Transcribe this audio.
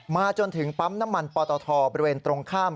จนถึงปั๊มน้ำมันปตทบริเวณตรงข้าม